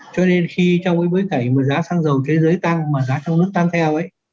cho nên khi trong cái bối cảnh mà giá xăng dầu thế giới tăng mà giá trong nước tăng theo ấy